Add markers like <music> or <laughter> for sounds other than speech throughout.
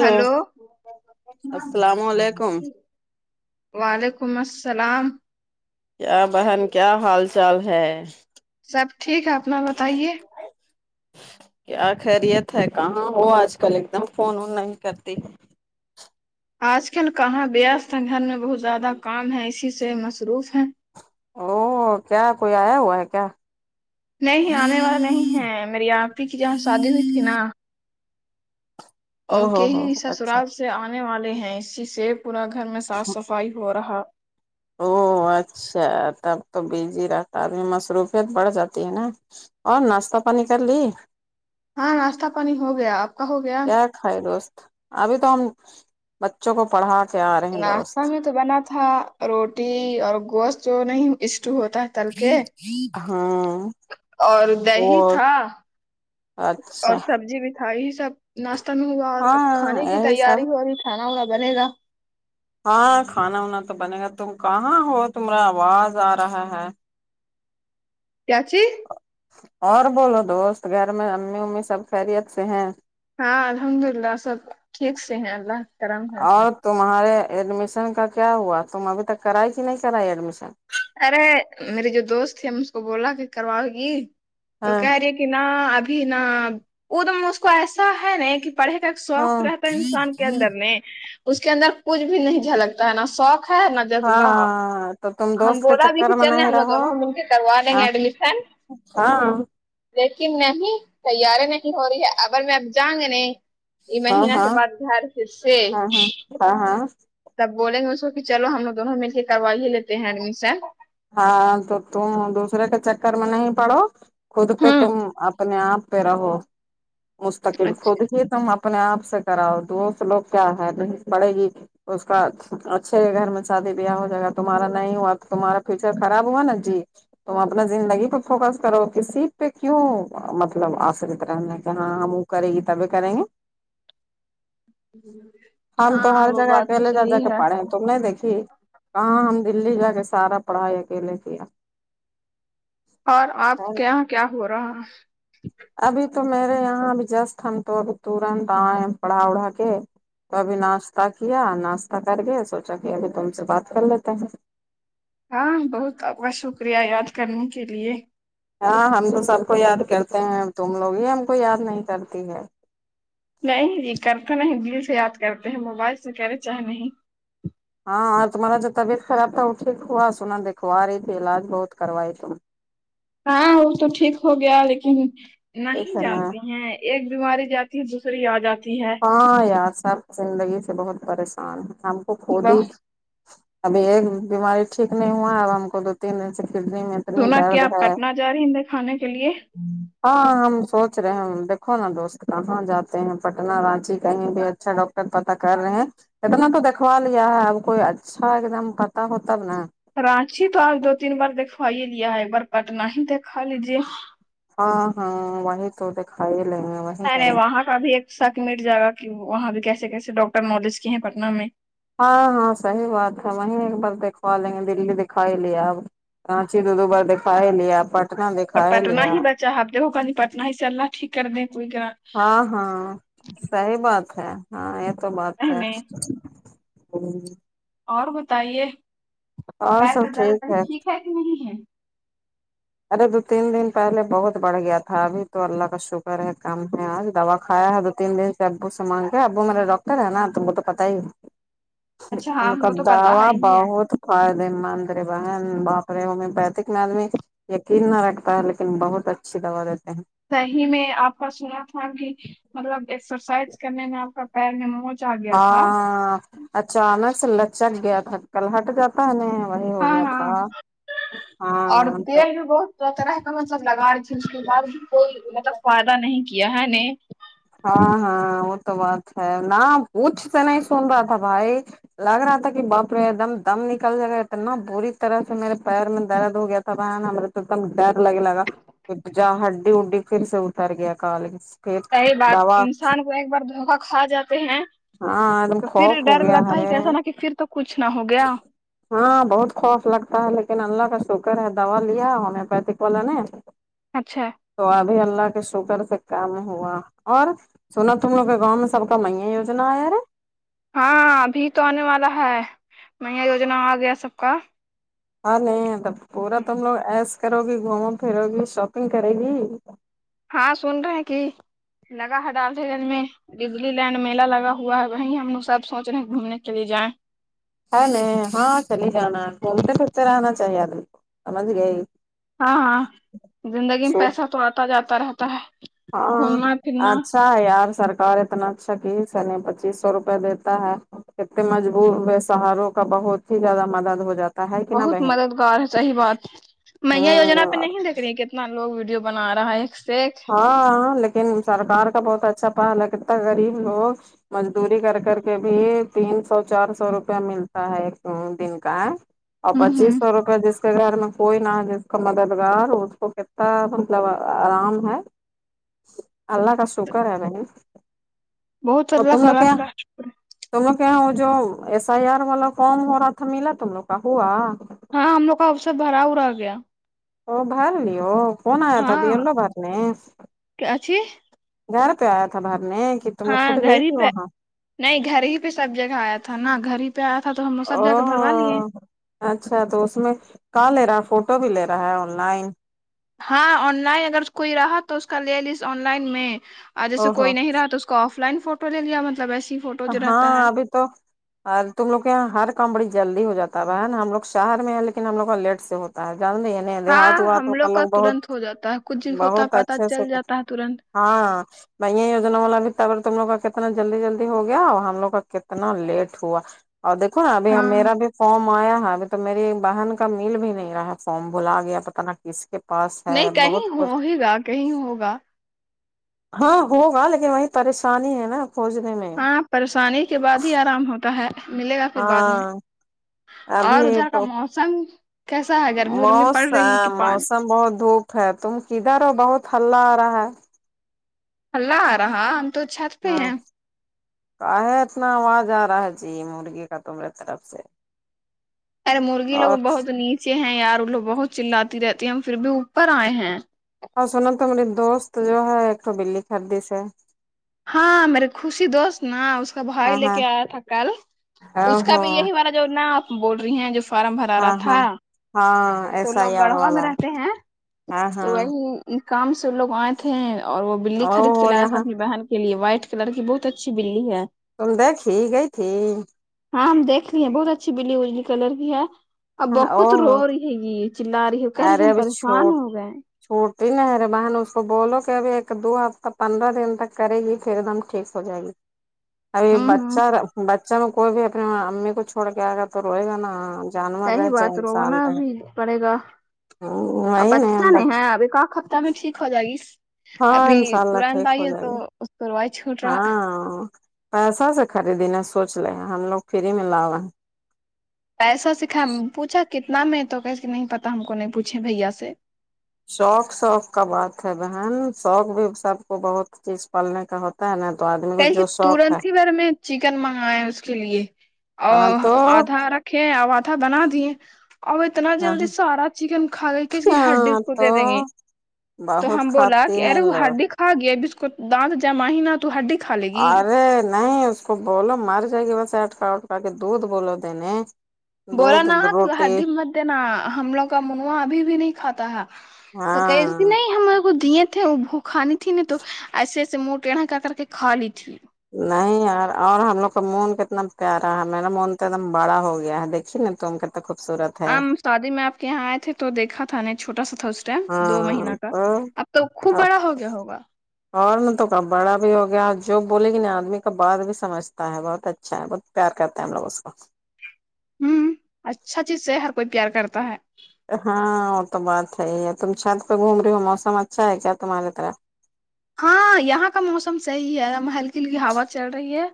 hello السلام علیکم وعلیکم السلام کیا بہن کیا حال چال ہے سب ٹھیک ہے اپنا بتائیے کیا خیریت ہے کہاں ہو آج کل ایک دم فون اون نہیں کرتی ہے آج کل کہاں بیاستھ ہے گھر میں بہت زیادہ کام ہے اسی سے مصروف ہیں او کیا کوئی آیا ہوا ہے کیا نہیں آنے والا نہیں ہے میری آپپی کی جہاں شادی ہوئی تھی نا او ان ہو کے ہو ہی اچھا سسرال سے آنے والے ہیں اسی سے پورا گھر میں صاف صفائی ہو رہا او اچھا تب تو بزی رہتا آدمی مصروفیت بڑھ جاتی ہے نا اور ناشتہ پانی کری ہاں ناشتہ پانی ہو گیا آپ کا ہو گیا خر دوست ابھی تو ہم بچوں کو پڑھا کے آ رہے ہیں ناشتہ دوست میں تو بنا تھا روٹی اور گوشت جو نہیں اسٹو ہوتا ہے تل کے ہاں اور وہ دہی تھا اچھا اور سبزی بھی تھا ہی سب ناشتہ میں ہوگا اور اب کھانے ہاں کی یہی سب تیاری ہو رہی کھانا وانا بنے گا ہاں کھانا وانا تو بنے گا تم کہاں ہو تمارا آواز آ رہا ہے کیاچ اور بولو دوست گھر میں امی امی سب خیریت سے ہیں ہاں الحمد اللہ سب ٹھیک سے ہیں اللہ کا کرم اور تمہارے ایڈمیشن کا کیا ہوا تم ابھی تک کرائی کہ نہیں کرائی ایڈمیشن ارے میرے جو دوست تھے ہم اس کو بولا کہ کرواؤ گی تو ہاں کہہ رہی کہ نہ ابھی نا وہ تو اس کو ایسا ہے نہ کہ پڑھے تک شوق ہاں رہتا ہے انسان کے اندر میں اس کے اندر کچھ بھی نہیں جھلکتا ہے نا شوق ہے نا ہاں تو تم ہم دوست کے بولا بھی کہ چکر میں چلنے نہیں ہم ہم رہو دونوں کروا لیں گے ہاں ایڈمیشن ہاں لیکن نہیں تیاری نہیں ہو رہی ہے اگر میں اب جائیں گے نہیں یہ ہاں مہینہ ہاں کے بعد گھر پھر سے ہاں ہاں ہاں ہاں تب بولیں گے اس کو کہ چلو ہم دونوں مل کے کروائی ہی لیتے ہیں ایڈمیشن ہاں تو تم دوسرے کے چکر میں نہیں پڑو خود پہ ہوں تم اپنے آپ پہ رہو مستقل اچھا خود ہی تم اپنے آپ سے کراؤ دوست لوگ کیا ہے نہیں پڑے گی اس کا اچھے گھر میں شادی بیاہ ہو جائے گا تمہارا نہیں ہوا تو تمہارا فیچر خراب ہوا نا جی تم اپنا زندگی پہ فوکس کرو کسی پہ کیوں مطلب آشرت رہنا کہ ہاں ہم کرے گی تبھی کریں گے ہم تو ہاں ہر وہ جگہ بات تو اکیلے جا جا صحیح کے ہے پڑھے تم نے دیکھی کہاں ہم دلی جا کے سارا پڑھائے اکیلے کیا اور ہے آپ کیا کیا ہو رہا ہے ابھی تو میرے یہاں اب جسٹ ہم تو اب ترنت آئے پڑھا اڑا کے تو ابھی ناشتہ کیا ناشتہ کر گئے سوچا کہ ابھی تم سے بات کر لیتے ہیں ہاں بہت آپ کا شکریہ یاد کرنے کے لئے ہاں ہم تو سب کو یاد کرتے ہیں تم لوگ ہی ہم کو یاد نہیں کرتی ہو نہیں یہ کرتے نہیں دل سے یاد کرتے ہیں موبائل سے کریں چاہے نہیں ہاں اور تمہارا جو طبیعت خراب تھا وہ ٹیک ہوا سنا دیکو ارہی تھی علاج بہت کروائی تم ہاں وہ تو ٹھیک ہو گیا لیکن ٹھیک نہیں ہے نا جانتے ہیں ایک بیماری جاتی ہے دوسری آجاتی ہے ہاں یار سب زندگی سے بہت پریشان ہے ہم کو خود بہ ہی ابھی ایک بیماری ٹھیک نہیں ہوا ہے اب ہم کو دو تین دن سے کڈنی میں اتنی سنا درد کیا ہے پٹنہ جا رہی ہیں دکھانے کے لئے ہاں ہم سوچ رہے ہیں دیکھو نہ دوست کہاں جاتے ہیں اتنا رانچی کہیں بھی اچھا ڈاکٹر پتا کر رہے ہیں اتنا تو دھوا لیا ہے اب کوئی اچھا ایک دم پتا ہوتاب نا کرانچی تو آج دو تین بار دکھوا ہی لیا ہے ایک بار پٹنہ ہی دیکھا لیجیے ہاں ہاں وہی تو دھا ہی لیں گے وہی نہیں نہیں کریں گے وہاں کا بھی ایک شک مٹ جائے گا کہ وہاں بھی کیسے کیسے ڈاکٹر مولیس کی ہیں پٹنہ میں ہاں ہاں صحیح بات ہے وہیں ایک بار دیکھوا لیں گے دلی دکھائی لے آب یہا چلے گئے بعد دکھاائی لیا پر پٹنہ ہی بچا آپ دیکھو کہ اب پٹنہ ہی سے اللہ ٹھیک کر دیں تو کا ہاں ہاں صحیح بات ہے ہاں یہ تو بات نہیں ہے نہیں اور بتائیے پیر کا درد ٹھیک ہے کہ نہیں ہے ارے دو تین دن پہلے بہت بڑھ گیا تھا ابھی تو اللہ کا شکر ہے کم ہے آج دوا کھیا ہے دو تین دن سے ابو سے مانگ کے ابو میرا ڈاکٹر ہے نا تمہی تو پتا ہی اچھا ہاں ان ہم کا کو تو پتا دوا ہے ہی ہے بہت فائدے مند رے بہن باپرے ہومیوپیتھک میں یقین نہ رکھتا ہے لیکن بہت اچھی دوا دیتے ہیں دی میں آپ کا سنا تھا کہ مطلب ایکسرسائز کرنے میں آپ کا پیر میں موچ آ گیا تھا ہاں اچانک سے ل چک گیا تھا کل ہٹ جاتا نہیں نہیں وہی ہو ہاں گیا ہاں تھا طرح طرح کا مطلب لگا رہی تھھی اس کے بعد بھی کوئی مطلب فائدہ نہیں کیا ہے نے ہاں ہاں وہ تو بات ہے نہ پوچھ تو نہیں سن رہا تھا بھائی لگ رہا تھا کہ باپرے ایک دم دم نکل جائے گا اتنا بری طرح سے میرے پیر میں درد ہو گیا تھا ب ہم تو ایک دم ڈر لگے ل گا ھر جا ہڈی ہڈی پھر سے اتر گیا کالج پھر صی بات دوا انسان کو ایک بار دھوکا کھا جاتے ہیں ہاں دم تو پھر خوف ہو ڈر گیا لگتا ہی ارے کہ ایسا نہا کہ پھر تو کچھ نہ ہو گیا ہاں بہت خوف لگتا ہے لیکن اللہ کا شکر ہے دوا لیا ہومیو پیتھک والا نے اچھا ہے تو ابھی اللہ کے شکر سے کم ہوا اور سناو تم لوگ کے گاؤں میں سب کا مہیا وجنا ہے یارے ہاںاں ابھی تو آنے والا ہے میا یوجنا آ گیا سب کا ہاں نہیں تو پورا تم لوگ ایسے کرو گی گھومو پھرو گی شاپنگ کرے گی ہاں سن رہے ہیں کہ لگا ہے ڈال جلن میں ڈزلی لینڈ میلہ لگا ہوا ہے وہی ہم لگ سب سوچ رہے ہیں گھومنے کے لیے جائیں ہے نہیں ہاں چلی جانا گھومتے پھرتے رہنا چاہیے آدمی کو سمجھ گئے ہاں ہاں زندگی میں سو پیسہ تو آتا جاتا رہتا ہے ہاں گھومنا پھرنا اچھ ہاں یار سرکار اتنا اچھا کی سن پچیس سو روپے دیتا ہے انے مجبور بسہاروں کا بہت ہی زیادہ مدد ہو جاتا ہے کہ نا بہت بہن مددگار ہے صحیح بات میا یجنا پہ ہوں نہیں دیکھ کتنا لوگ ویڈیو بنا رہا ہے ایک سے ایک ہاں ہاں لیکن سرکار کا بہت اچھا پال ہے کتنا غریب لوگ مزدوری کر کر کے بھی تین سو چار سو روپیہ ملتا ہے ایک دن کا ہے اور ہوں پچیس ہوں سو روپے جس اس کے گھر میں کوئی نہ جس کا مددگار اس کو کتنا مطلب آرام ہے الله کاشکر شوکر ہے نہیں بہت تو اللہ تم لو خلا کیا خ تم لوگ کے وہ جو ایس آئی آر والا فارم ہو رہا تھا ملا تم لوگ کا ہوا ہاں ہم لوگ کا اوسر بھرا ہو رہا گیا او بھر لی ہو کون آیا تھا بی ہاں یل او بھر نے اچھی گھر پہ آیا تھا بھر نے ہاں گھر ہی پہ نہیں گھر ہی پہ سب جگہ آیا تھا نا گھر ہی پہ پیارا تھا تو ہم سب جا کے بھروا لیے او اچھا تو اس میں کا لے رہا ہے فوٹو بھی لے رہا ہے آن لائن ہاں آن لائن اگر کوئی رہا تو اس کا لے لیس آن لائن میں اور جیسے او ہو کوئی نہیں رہا تو آف لائن فوٹو لے لیا مطلب ایسی فوٹو جو رہتا ہے ہاں ابھی تو تم لوگ کے یہاں ہر کام بڑی جلدی ہو جاتا ہے بہین ہم لوگ شہر میں ہے لیکن ہم لوگ کا لیٹ سے ہوتا ہے جلد نہیں ہے ہاں دیہات و ہات ہم کا لوگ بہت ترنت ہو جاتا ہے کچھ ہوتا بہت پتا اچھے سے چل کہتے جاتا ہے ترنت <unintelligible> ہو گیا اور ہم لوگ کا کتنا لیٹ ہوا اور دیکو نا ابھی ہاں میرا بھی فارم آیا ہے ابھی تو میری ایک بہن کا میل بھی نہیں رہا فارم بھلا گیا پتا نا کس کے پاس ہے نہیں کہیں بہت کچھ ہو ہی گا کہیں ہوگا ہاں ہوگا لیکن وہیں پریشانی ہے نا خوجنے میں ہاں پریشانی کے بعد ہی آرام ہوتا ہے ملے گا پھر بعد میں ہاں اور ابھی ادھر کا تو موسم کیسا ہے گرمی ارمی موس پڑ رہی کہ پانی موسم بہت دھوپ تم کدھر ہو بہت ہللہ آ رہا ہے ہللا آرہا ہاں کاہے اتنا آواز آ رہا ہے جی مرغی کا تمرے طرف سے اارے مرغی لوگ اور بہت نیچے ہیں یار وہ لوگ بہت چلاتی رہتی ہے ہم پھر بھی اوپر آئے ہیں اور سنو تو مری دوست جو ہے ایک تو بلی خریدی سے ہاں میرے خوشی دوست نا اس کا بھائی ہاں لے ہاں کے آیا تھا کل او اس کا ہو بھی یہی والا جو نہ آپ بول رہی ہیں جس ہاں ہاں ہاں تو ایس لوگ آئی آر گڑھوا میں والا رہتے ہیں ہاں تو ہاں وہی اایک کام سے وہ لوگ آئے تھے اور وہ بلی او خرید کے ہو لایا تھا یہاں اپنی بہن کے لیے وائٹ کلر کی بہت اچھی بلی ہے تم دیکھی گئی تھی ہاں ہم دیکھ لیے بہت اچھی بلی اجلی کلر کی ہے اب او بہت رو ہو گ یہ چلا رہی ہے کر رہی کہ ارے ہم ابھی چھوٹ پریشان ہو گئے چھوٹی نا ارے بہن اس کو بولو کہ ابھی ایک دو ہفتہ پندرہ دن تک کرے گی پھر ایک دم ٹھیک ہو جائے گی اب ہوں ہوں بچہ جب کوئی بھی اپنے امی کو چھوڑ کے آ گا تو روے گا نا جانور صحیح رہے چاہے بات انسان رونا رہے بھی پڑے گا اب وہی نا اچھا نہیں بچہ ہے ابھی کا طبیعت میں ٹھیک ہو جائیگی اس ہاں انشاء اللہ ٹھیک ہو جائے گے اس پروائٹ چو ہاں پیسہ سے خریدی نا سونچ لے ہم لوگ فری میں لاوے ہیں پیسا سے پوچھا کتنا میں تو کہسے نہیں پتا ہم کو نہیں پوچھے بھیا سے شوق شوق کا بات ہے بہن شوق بھی سب کو بہت چیز پالنے کا ہوتا ہے نا تو آدمی کو کہ کہ جو شوق ہے ترنت ہی بھر میں چکن منگایا اس کے لیے ا ہاں تو آدھا رکھے اب آدھا بنا دیے اب اتنا ہاں جلدی سارا چکن کھا گئی کہ اس کی ہڈی ہاں کو دے دیں تو گی تو بہت ہم بولا کھاتے کہ ہیں ارے وہ لوگ ہڈی کھ آگیا بسکٹ دانت جمع ہی نہ تو ہڈی کھا لے گی ارے نہیں اس بولو مر جائے گی ویسے اٹکا اٹکا کے دودھ بولو دنے بولا نا ہڈی مت دینا ہم لوگ کا منو ابھی بھی نہیں کھاتا ہے تو کہرہی ہاں نہیں ہماکو دیے تھی وہ بہو کھانی تھی نہیں تو ایسے ایسے منہ تیڑا کتر کر کے کھا لی تھی نہیں یار اور ہم لوگ کا مون کتنا پیارا ہے میرا مون تو ایک دم بڑا ہو گیا ہے دیکھیے نا تم کن خوبصورت ہے ہم شادی میں آپ کے یہاں آئے تھے تو دیکھا تھا نےچھوٹا سا تھا ٹائم دو مہینہ کا اب تو خوب بڑا ہو گیا ہوگا اور نے تو کا بڑا بھی ہو گیا جو بولے گی نہ آدمی کا بات بھی سمجتا ہے بہت اچھا ہے بت پیار کرتے ہیں ہم لوگ اس کو ھمم اچھا چیز سے ہر کوئی پیار کرتا ہے ہاں وہ تو بات ہے ہی تم چھت پہ گھوم رہی ہو موسم اچھا ہے کیا تمہاری طرف ہاں یہاں کا موسم صحیح ہے ہلکی ہلکی ہوا چل رہی ہے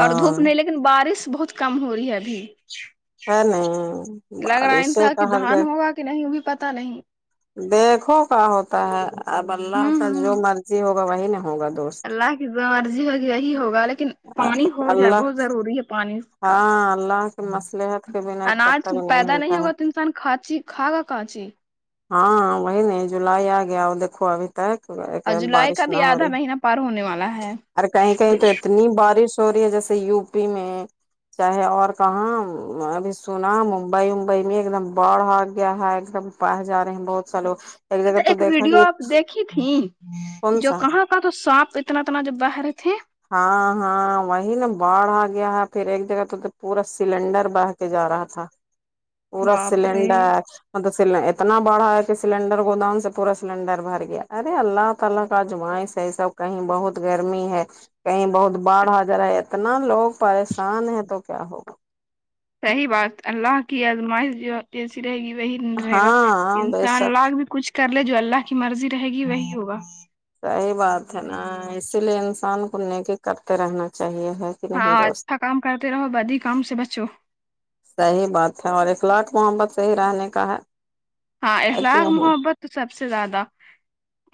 اور دھوپ نہیں لے لیکن بارش بہت کم ہو رہی ہے ابھی ہے نہیں لگ رہا ان بارشیں کا کہ ہر دھان جگہ ہوگا کہ نہیں ہوگی پتہ نہیں دیکھو کا ہوتا ہے اب اللہ ہوں کا جو ہوں مرضی ہوگا وہی نہ ہوگا دوست اللہ کی جو مرضی ہوگی یہی ہوگا لیکن پانی ہو جائے اللہ بہت ضروری ہے پانی اس کا ہاں اللہ کی مصلحت کے بنا ایک پتہ اناج بھی نہیں پیدا ہلتا ہے ہوگا تو انسان کھانچی کھا گا کانچی ہاں وہی نہیں جولائی آ گیا اور دیکھو ابھی اور جولائی کا بارش نہ بھی ہو آدھا رہی مہینہ پار ہونے والا ہے اور کہیں کہیں تو اتنی بارش ہو رہی جیسے یو پی میں چاہے اور کہاں ابھی سنا ممبئی وممبئی میں ایک دم باڑ آ گیا ہے ایک دم بہہ جا رہے ہیں بہت سا لوگ جگہ اچھا تو ایک دیکھا ویڈیو کہ آپ دیکھی تھی کون جو سا کہاں کا تو سب جو اتنا اتنا جب بہہ رہے تھے ہاں ہاں وہی نا باڑھ آ گیا ہے پھر ایک جگہ توتو پورا سلینڈر بہہ کے جا رہا تھا پورا باپ رے سلینڈر مطلب س اتنا بڑا ہے کہ سلینڈر گوداؤن سے پورا سلینڈر بھر گیا ارے اللہ اللہ کا آزمائش ہے سب کہیں بہت گرمی ہے کہیں بہت باڑھ آ جا رہا ہے اتنا لوگ پریشان ہے تو کیا ہوگا صحیح بات اللہ کی آزمائش جو جیسی رہے گی وہی نہیں رہے گا ہاں بے انسان شک لاکھ بھی کچھ کر لے جو اللہ کی مرضی رہے گی وہی ہوگا صحیح بات ہے نا اسی لیے انسان کو نیکی کرتے رہنا چاہیے ہے کہ نہیں ہاں دوست اچھا کام کرتے رہو بد ہی کام سے بچو صحیح بات ہے اور اخلاق محبت سے ہی رہنے کا ہے ہاں ہے اخلاق کہ نہیں محبت تو سب سے زیادہ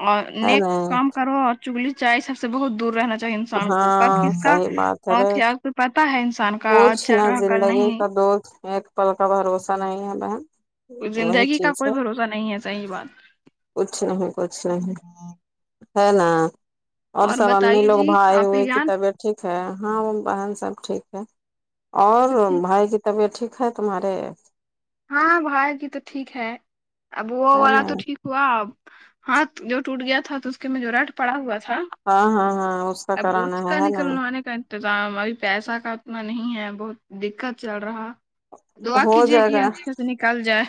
اور ہے نیک نہیں کام کرو اور چغلی چائے سب سے بہت دور رہنا چاہیے انسان کو کب ہاں کس کا صحیح بات ہے رے موت یا تو پتہ ہے انسان کا آج چل رہا کل نہیں دوست ایک کل کا بھروسہ نہیں ہے بہن وہی زندگی کا چیز کوئی ہے بھروسہ نہیں ہے صحیح بات کچھ نہیں کچھ نہیں ہے نا اور سب امی بتائیے لوگ جی بھائی آپ ہوئے ہی کی جان طبعت ٹھیک ہے ہاں وہ بہن سب ٹھیک ہے اور سب ٹھیک بھائی کی طبیعت ٹھیک ہے تمہاری ہاں بھائیوں کی تو ٹھیک ہے اب وہ ہے والا نا تو ٹھیک ہوا ہاتھ جو ٹوٹ گیا تھا تو اس کے میں جو راڈ پڑا ہوا تھا ہاں ہاں ہاں اس کا اب کرانا اسکا ہے ہے نا نکلوانے کا انتظام ابھی پیسہ کا اتنا نہیں ہے بہت دقت چل رہا دعا ہو کیجیے جائے کہ گا اچھے سے نکل جائے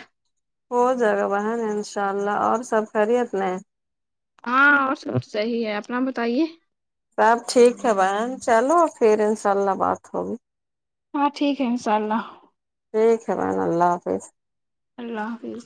ہو جا ۓ گا بہن انشاء اللہ اور سب خیریت نے ہاں اور سب صحیح ہے اپنا بتائیے سب ٹھیک ہے بہن چلو پھر انشاء اللہ بات ہوگی ہاں ٹھیک ہے ان شاء اللہ ٹھیک ہے بہن اللہ حافظ اللہ حافظ